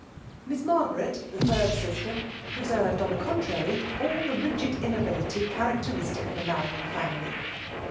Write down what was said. Miss Margaret, the third sister, preserved, on the eontrary, aU the rigid immobility cha* fsacteristic of the Maranham family.